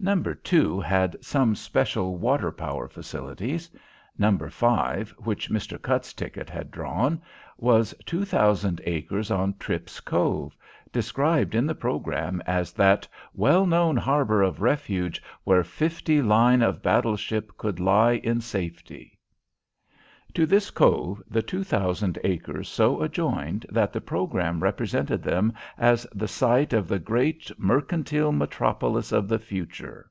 No. 2 had some special water power facilities. No. 5, which Mr. Cutts's ticket had drawn, was two thousand acres on Tripp's Cove, described in the programme as that "well known Harbor of Refuge, where Fifty Line of Battle Ship could lie in safety." To this cove the two thousand acres so adjoined that the programme represented them as the site of the great "Mercantile Metropolis of the Future."